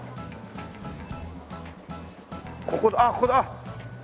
ここあっここだ。